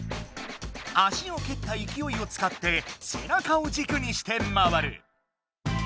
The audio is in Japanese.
足をけったいきおいをつかって背中をじくにして回る！